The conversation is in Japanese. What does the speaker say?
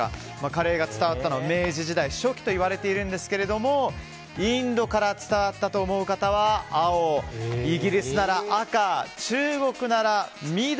カレーが伝わったのは明治時代初期といわれているんですがインドから伝わったと思う方は青イギリスなら赤、中国なら緑。